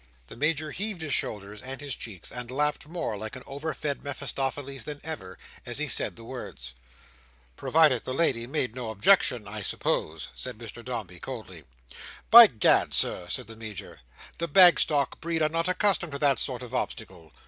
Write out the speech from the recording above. The Major heaved his shoulders, and his cheeks, and laughed more like an over fed Mephistopheles than ever, as he said the words. "Provided the lady made no objection, I suppose?" said Mr Dombey coldly. "By Gad, Sir," said the Major, "the Bagstock breed are not accustomed to that sort of obstacle.